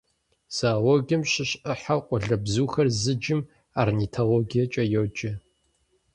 Зоологием щыщ Ӏыхьэу къуалэбзухэр зыджым орнитологиекӀэ йоджэ.